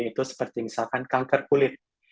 itu seperti misalkan kanker kulit